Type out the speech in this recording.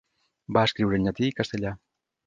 Va escriure en llatí i castellà.